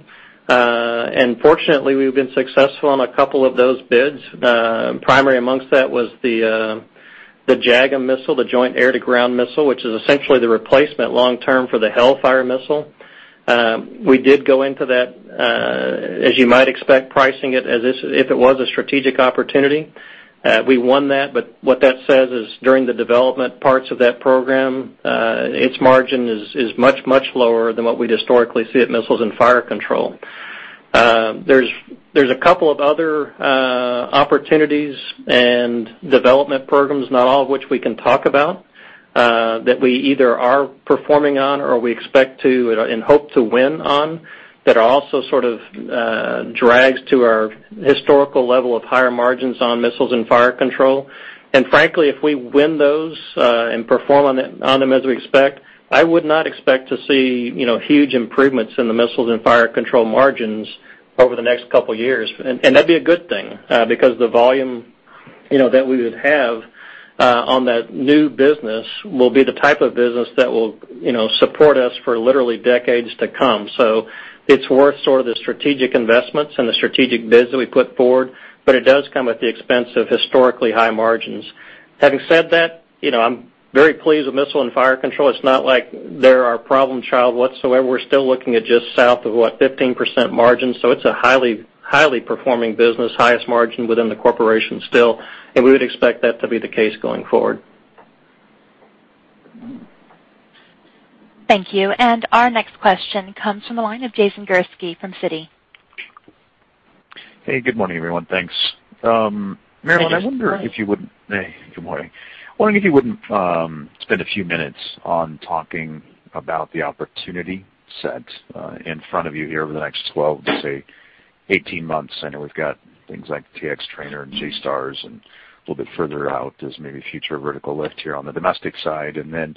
Fortunately, we've been successful on a couple of those bids. Primary amongst that was the JAGM missile, the Joint Air-to-Ground Missile, which is essentially the replacement long-term for the Hellfire missile. We did go into that, as you might expect, pricing it as if it was a strategic opportunity. We won that, what that says is during the development parts of that program, its margin is much, much lower than what we'd historically see at Missiles and Fire Control. There's a couple of other opportunities and development programs, not all of which we can talk about, that we either are performing on or we expect to and hope to win on, that are also sort of drags to our historical level of higher margins on Missiles and Fire Control. Frankly, if we win those and perform on them as we expect, I would not expect to see huge improvements in the Missiles and Fire Control margins over the next couple of years. That'd be a good thing, because the volume that we would have on that new business will be the type of business that will support us for literally decades to come. It's worth sort of the strategic investments and the strategic bids that we put forward, but it does come at the expense of historically high margins. Having said that, I'm very pleased with Missiles and Fire Control. It's not like they're our problem child whatsoever. We're still looking at just south of 15% margins, so it's a highly performing business, highest margin within the corporation still, and we would expect that to be the case going forward. Thank you. Our next question comes from the line of Jason Gursky from Citi. Hey, good morning, everyone. Thanks. Jason, good morning. Marillyn, good morning. I wonder if you wouldn't spend a few minutes on talking about the opportunity set in front of you here over the next 12 to say 18 months. I know we've got things like T-X trainer and JSTARS, and a little bit further out is maybe future vertical lift here on the domestic side, and then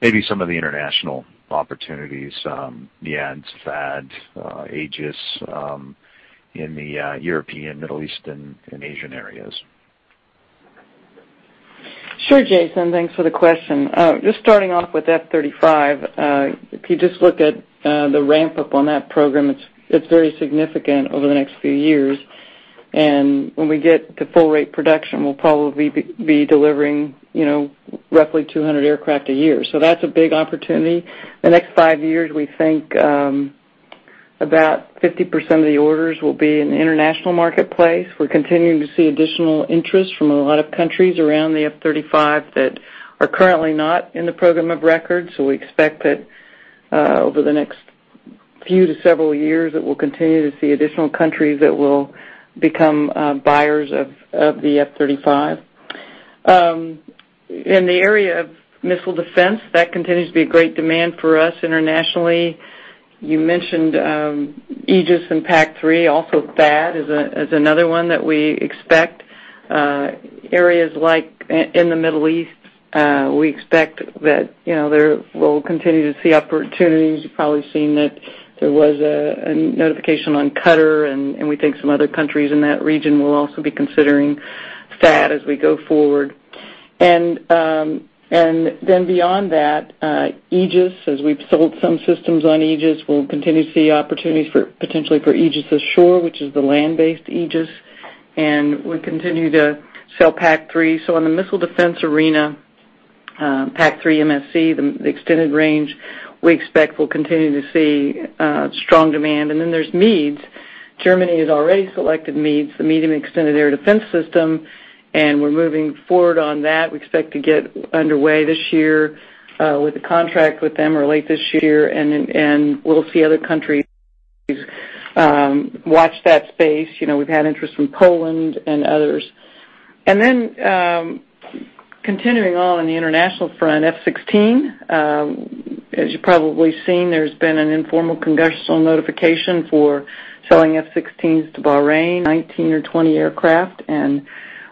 maybe some of the international opportunities, NASAMS, THAAD, Aegis in the European, Middle Eastern, and Asian areas. Sure, Jason. Thanks for the question. Just starting off with F-35, if you just look at the ramp-up on that program, it's very significant over the next few years. When we get to full rate production, we'll probably be delivering roughly 200 aircraft a year. That's a big opportunity. The next five years, we think about 50% of the orders will be in the international marketplace. We're continuing to see additional interest from a lot of countries around the F-35 that are currently not in the program of record. We expect that over the next few to several years, that we'll continue to see additional countries that will become buyers of the F-35. In the area of missile defense, that continues to be a great demand for us internationally. You mentioned Aegis and PAC-3. Also, THAAD is another one that we expect. Areas in the Middle East, we expect that there we'll continue to see opportunities. You've probably seen that there was a notification on Qatar, we think some other countries in that region will also be considering THAAD as we go forward. Beyond that, Aegis, as we've sold some systems on Aegis, we'll continue to see opportunities potentially for Aegis Ashore, which is the land-based Aegis, and we continue to sell PAC-3. On the missile defense arena, PAC-3 MSE, the extended range, we expect we'll continue to see strong demand. There's MEADS. Germany has already selected MEADS, the Medium Extended Air Defense System, we're moving forward on that. We expect to get underway this year with a contract with them or late this year, and we'll see other countries watch that space. We've had interest from Poland and others. Continuing on the international front, F-16. As you've probably seen, there's been an informal congressional notification for selling F-16s to Bahrain, 19 or 20 aircraft,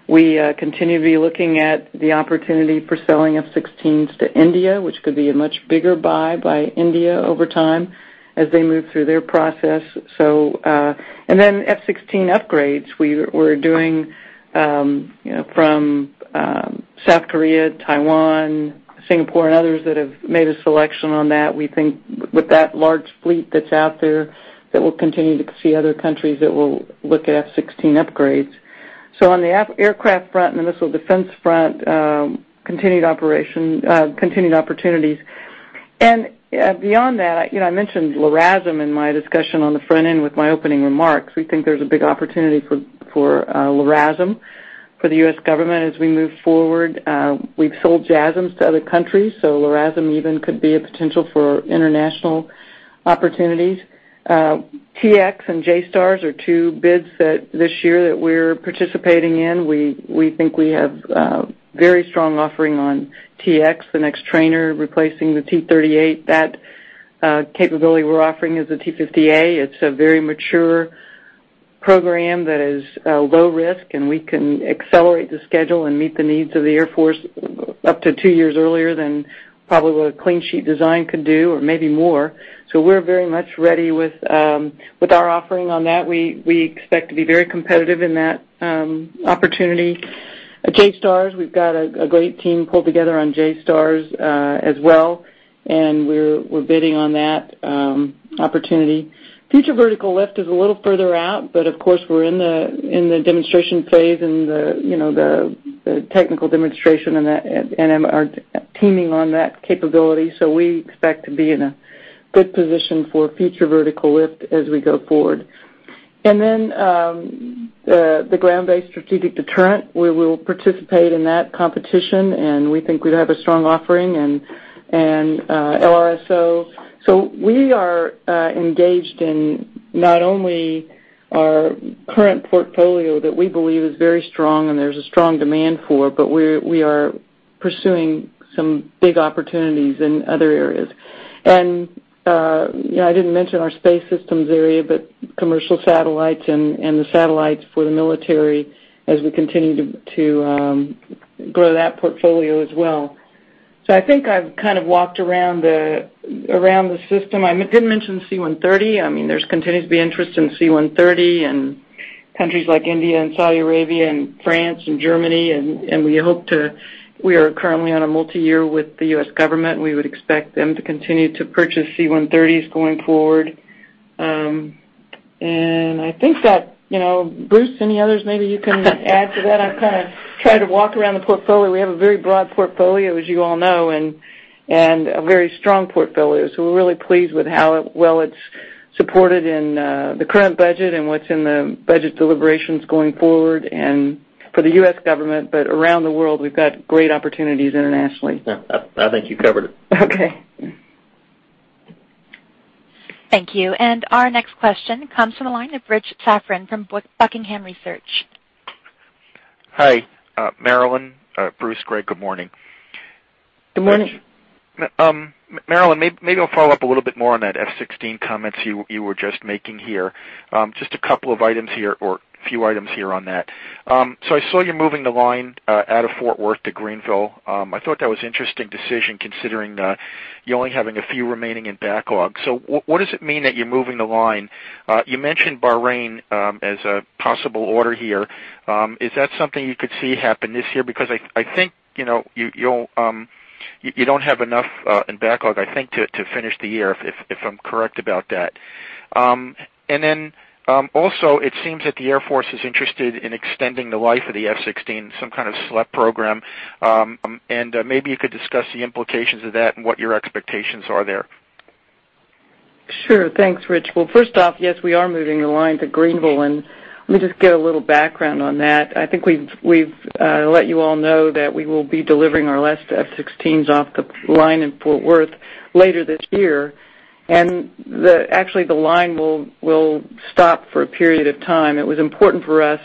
we continue to be looking at the opportunity for selling F-16s to India, which could be a much bigger buy by India over time as they move through their process. F-16 upgrades we're doing from South Korea, Taiwan, Singapore, and others that have made a selection on that. We think with that large fleet that's out there, that we'll continue to see other countries that will look at F-16 upgrades. On the aircraft front and the missile defense front, continued opportunities. Beyond that, I mentioned LRASM in my discussion on the front end with my opening remarks. We think there's a big opportunity for LRASM for the U.S. government as we move forward. We've sold JASSMs to other countries, LRASM even could be a potential for international opportunities. T-X and JSTARS are two bids this year that we're participating in. We think we have a very strong offering on T-X, the next trainer replacing the T-38. That capability we're offering is the T-50A. It's a very mature program that is low risk, we can accelerate the schedule and meet the needs of the Air Force up to two years earlier than probably what a clean sheet design could do, or maybe more. We're very much ready with our offering on that. We expect to be very competitive in that opportunity. JSTARS, we've got a great team pulled together on JSTARS as well, we're bidding on that opportunity. Future Vertical Lift is a little further out, but of course, we're in the demonstration phase and the technical demonstration and are teaming on that capability. We expect to be in a good position for Future Vertical Lift as we go forward. The Ground Based Strategic Deterrent, we will participate in that competition, we think we'd have a strong offering and LRSO. We are engaged in not only our current portfolio that we believe is very strong and there's a strong demand for, but we are pursuing some big opportunities in other areas. I didn't mention our Space Systems area, but commercial satellites and the satellites for the military as we continue to grow that portfolio as well. I think I've kind of walked around the system. I didn't mention C-130. There continues to be interest in C-130 in countries like India and Saudi Arabia and France and Germany. We are currently on a multiyear with the U.S. government, we would expect them to continue to purchase C-130s going forward. I think that, Bruce, any others maybe you can add to that? I've kind of tried to walk around the portfolio. We have a very broad portfolio, as you all know, and a very strong portfolio. We're really pleased with how well it's supported in the current budget and what's in the budget deliberations going forward and for the U.S. government, around the world, we've got great opportunities internationally. Yeah. I think you covered it. Okay. Thank you. Our next question comes from the line of Rich Safran from Buckingham Research. Hi. Marillyn, Bruce, Greg, good morning. Good morning. Marillyn, maybe I'll follow up a little bit more on that F-16 comments you were just making here. Just a couple of items here, or few items here on that. I saw you're moving the line out of Fort Worth to Greenville. I thought that was interesting decision considering you only having a few remaining in backlog. What does it mean that you're moving the line? You mentioned Bahrain as a possible order here. Is that something you could see happen this year? Because I think you don't have enough in backlog, I think, to finish the year, if I'm correct about that. Also, it seems that the Air Force is interested in extending the life of the F-16, some kind of SLEP program. Maybe you could discuss the implications of that and what your expectations are there. Sure. Thanks, Rich. First off, yes, we are moving the line to Greenville, let me just give a little background on that. I think we've let you all know that we will be delivering our last F-16s off the line in Fort Worth later this year, actually, the line will stop for a period of time. It was important for us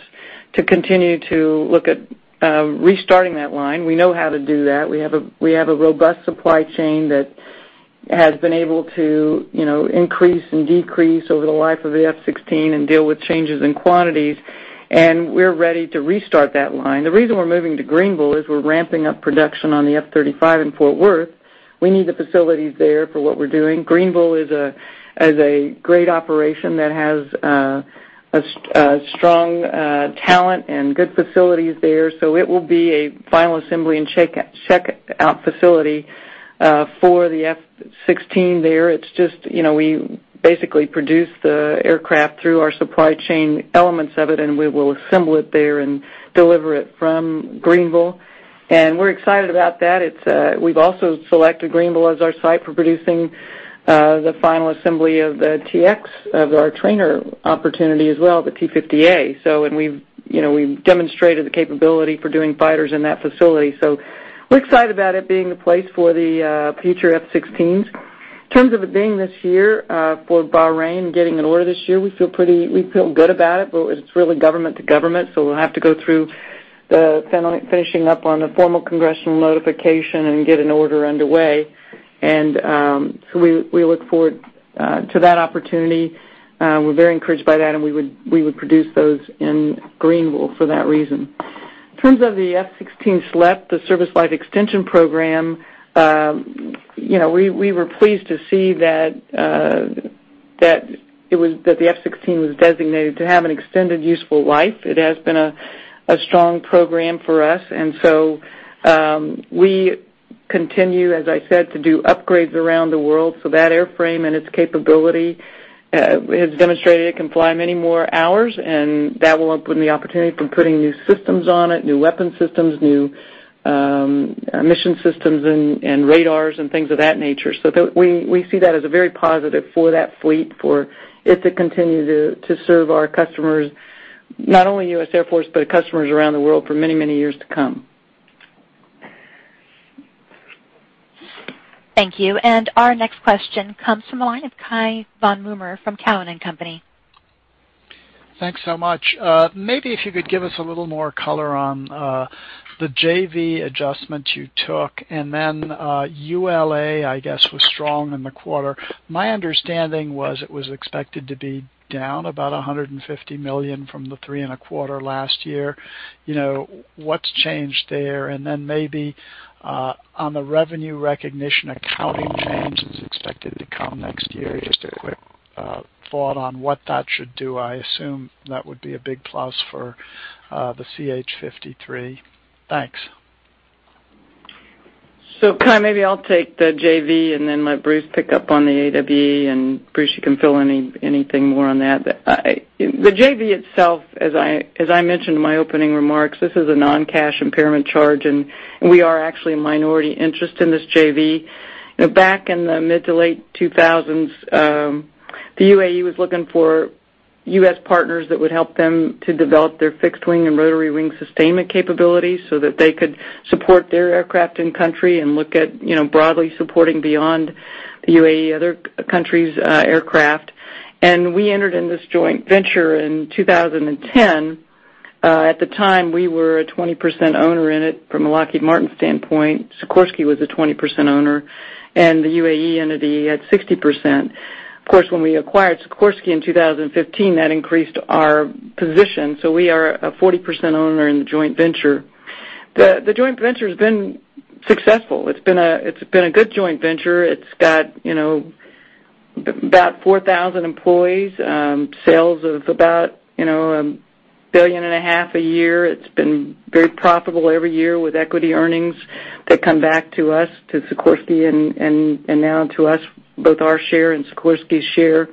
to continue to look at restarting that line. We know how to do that. We have a robust supply chain that has been able to increase and decrease over the life of the F-16 and deal with changes in quantities, and we're ready to restart that line. The reason we're moving to Greenville is we're ramping up production on the F-35 in Fort Worth. We need the facilities there for what we're doing. Greenville is a great operation that has a strong talent and good facilities there, it will be a final assembly and checkout facility for the F-16 there. We basically produce the aircraft through our supply chain elements of it, we will assemble it there and deliver it from Greenville. We're excited about that. We've also selected Greenville as our site for producing the final assembly of the T-X, of our trainer opportunity as well, the T-50A. We've demonstrated the capability for doing fighters in that facility. We're excited about it being the place for the future F-16s. In terms of it being this year, for Bahrain getting an order this year, we feel good about it, but it's really government to government, we'll have to go through finishing up on the formal congressional notification and get an order underway. We look forward to that opportunity. We're very encouraged by that, and we would produce those in Greenville for that reason. In terms of the F-16 SLEP, the Service Life Extension Program, we were pleased to see that the F-16 was designated to have an extended useful life. It has been a strong program for us. We continue, as I said, to do upgrades around the world so that airframe and its capability has demonstrated it can fly many more hours, and that will open the opportunity for putting new systems on it, new weapon systems, new mission systems and radars and things of that nature. We see that as a very positive for that fleet, for it to continue to serve our customers, not only U.S. Air Force, but customers around the world for many years to come. Thank you. Our next question comes from the line of Cai von Rumohr from Cowen and Company. Thanks so much. Maybe if you could give us a little more color on the JV adjustment you took. ULA, I guess, was strong in the quarter. My understanding was it was expected to be down about $150 million from the three and a quarter last year. What's changed there? Maybe on the revenue recognition accounting changes expected to come next year, just a quick thought on what that should do. I assume that would be a big plus for the CH-53. Thanks. Cai, maybe I'll take the JV and then let Bruce pick up on the AWE. Bruce, you can fill anything more on that. The JV itself, as I mentioned in my opening remarks, this is a non-cash impairment charge, and we are actually a minority interest in this JV. Back in the mid to late 2000s, the UAE was looking for U.S. partners that would help them to develop their fixed wing and rotary wing sustainment capabilities so that they could support their aircraft in country and look at broadly supporting beyond the UAE, other countries' aircraft. We entered in this joint venture in 2010. At the time, we were a 20% owner in it from a Lockheed Martin standpoint. Sikorsky was a 20% owner, and the UAE entity had 60%. Of course, when we acquired Sikorsky in 2015, that increased our position, so we are a 40% owner in the joint venture. The joint venture's been successful. It's been a good joint venture. It's got about 4,000 employees, sales of about a billion and a half a year. It's been very profitable every year with equity earnings that come back to us, to Sikorsky, and now to us, both our share and Sikorsky's share.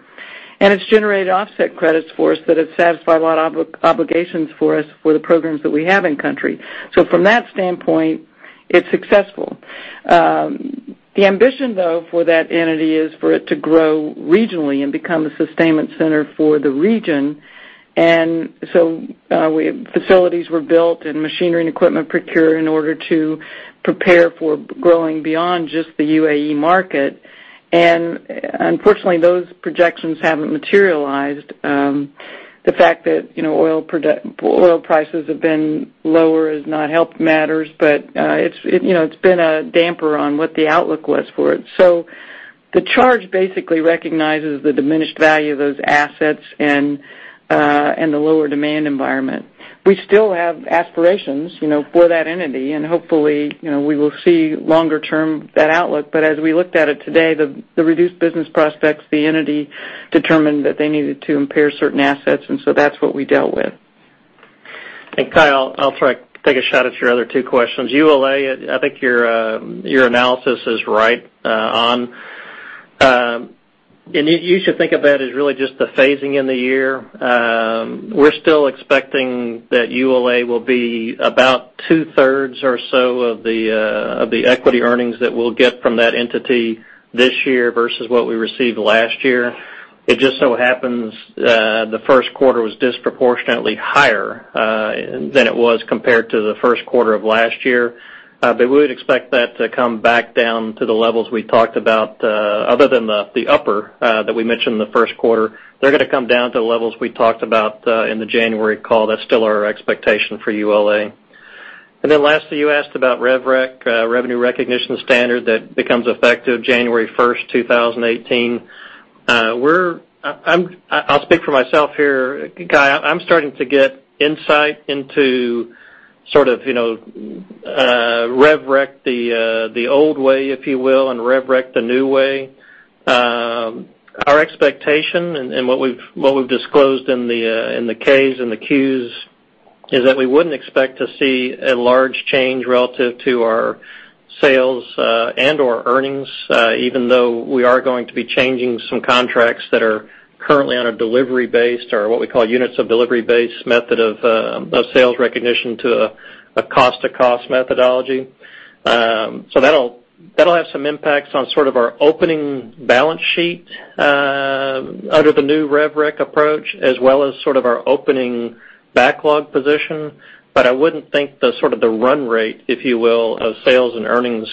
It's generated offset credits for us that have satisfied a lot of obligations for us for the programs that we have in country. From that standpoint, it's successful. The ambition, though, for that entity is for it to grow regionally and become a sustainment center for the region. Facilities were built and machinery and equipment procured in order to prepare for growing beyond just the UAE market. Unfortunately, those projections haven't materialized. The fact that oil prices have been lower has not helped matters, but it's been a damper on what the outlook was for it. The charge basically recognizes the diminished value of those assets and the lower demand environment. We still have aspirations for that entity, hopefully, we will see longer term that outlook. As we looked at it today, the reduced business prospects, the entity determined that they needed to impair certain assets, that's what we dealt with. Cai, I'll try take a shot at your other two questions. ULA, I think your analysis is right on. You should think of that as really just the phasing in the year. We're still expecting that ULA will be about two-thirds or so of the equity earnings that we'll get from that entity this year versus what we received last year. It just so happens, the first quarter was disproportionately higher than it was compared to the first quarter of last year. We would expect that to come back down to the levels we talked about, other than the upper that we mentioned in the first quarter. They're going to come down to the levels we talked about in the January call. That's still our expectation for ULA. Lastly, you asked about rev rec, revenue recognition standard, that becomes effective January 1, 2018. I'll speak for myself here, Cai. I'm starting to get insight into sort of rev rec the old way, if you will, and rev rec the new way. Our expectation and what we've disclosed in the Ks and the Qs is that we wouldn't expect to see a large change relative to our sales and/or earnings, even though we are going to be changing some contracts that are currently on a delivery-based or what we call units of delivery-based method of sales recognition to a cost-to cost methodology. That'll have some impacts on sort of our opening balance sheet under the new rev rec approach as well as sort of our opening backlog position. I wouldn't think the sort of the run rate, if you will, of sales and earnings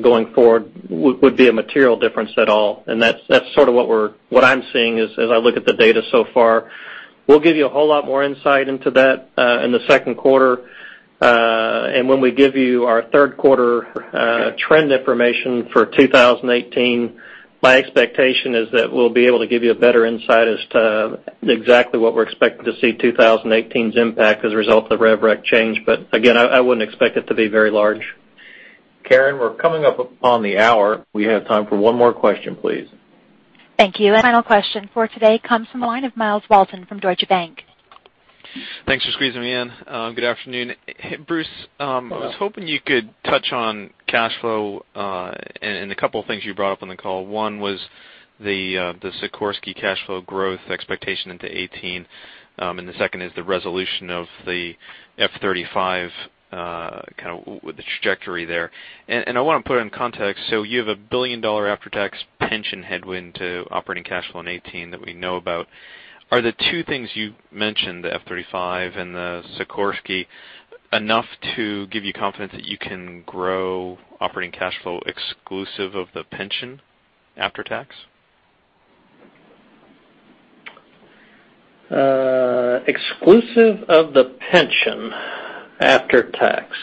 going forward would be a material difference at all. That's sort of what I'm seeing as I look at the data so far. We'll give you a whole lot more insight into that in the second quarter. When we give you our third quarter trend information for 2018, my expectation is that we'll be able to give you a better insight as to exactly what we're expecting to see 2018's impact as a result of the rev rec change. Again, I wouldn't expect it to be very large. Karen, we're coming up upon the hour. We have time for one more question, please. Thank you. Final question for today comes from the line of Myles Walton from Deutsche Bank. Thanks for squeezing me in. Good afternoon. Bruce, I was hoping you could touch on cash flow and a couple of things you brought up on the call. One was the Sikorsky cash flow growth expectation into 2018, the second is the resolution of the F-35, kind of with the trajectory there. I want to put it in context. You have a billion-dollar after-tax pension headwind to operating cash flow in 2018 that we know about. Are the two things you mentioned, the F-35 and the Sikorsky, enough to give you confidence that you can grow operating cash flow exclusive of the pension after tax? Exclusive of the pension after tax.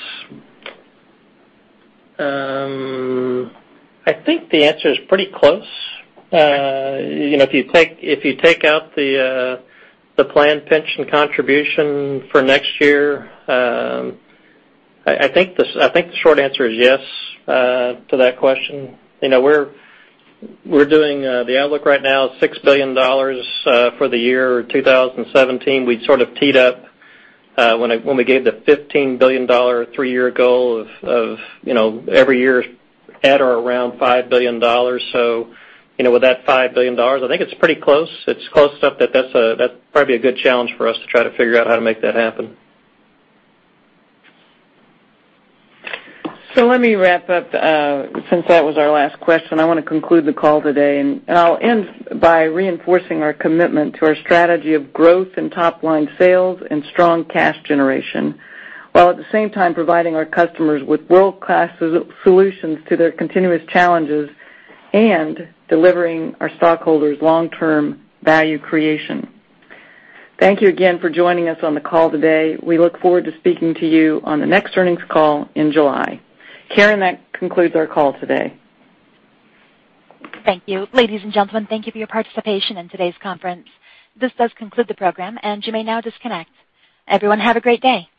I think the answer is pretty close. If you take out the planned pension contribution for next year, I think the short answer is yes to that question. The outlook right now is $6 billion for the year 2017. We'd sort of teed up when we gave the $15 billion three-year goal of every year at or around $5 billion. With that $5 billion, I think it's pretty close. It's close enough that that's probably a good challenge for us to try to figure out how to make that happen. Let me wrap up. Since that was our last question, I want to conclude the call today, and I'll end by reinforcing our commitment to our strategy of growth in top-line sales and strong cash generation, while at the same time providing our customers with world-class solutions to their continuous challenges and delivering our stockholders long-term value creation. Thank you again for joining us on the call today. We look forward to speaking to you on the next earnings call in July. Karen, that concludes our call today. Thank you. Ladies and gentlemen, thank you for your participation in today's conference. This does conclude the program, and you may now disconnect. Everyone, have a great day.